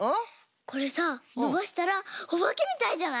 これさのばしたらおばけみたいじゃない？